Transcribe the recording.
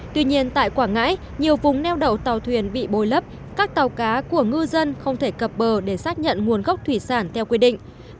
tuy nhiên tại quảng ngãi nhiều vùng neo đậu tàu thuyền bị bồi lấp các tàu cá của ngư dân không thể cập bờ để xác nhận nguồn gốc thủy sản theo quy định